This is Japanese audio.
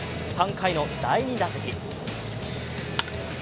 ３回の第２打席。